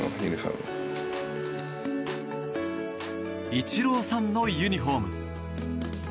イチローさんのユニホーム。